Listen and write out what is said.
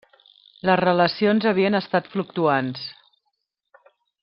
Les relacions havien estat fluctuants.